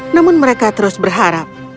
namun mereka terus berharap